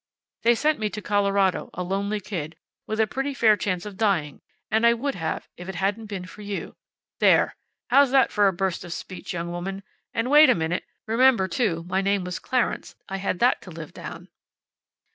They sent me to Colorado, a lonely kid, with a pretty fair chance of dying, and I would have, if it hadn't been for you. There! How's that for a burst of speech, young woman! And wait a minute. Remember, too, my name was Clarence. I had that to live down."